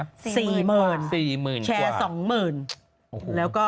๔๐๐๐๐กว่าเป็น๔๐๐๐๐แล้วก็เท่าใช่สองหมื่นแล้วก็